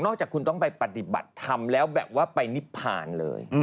นอกจากคุณต้องไปปฏิบัติธรรมแล้วไปนิพพานเลย